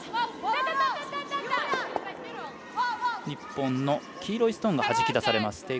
日本の黄色いストーンがはじき出されます。